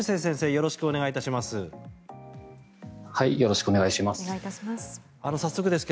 よろしくお願いします。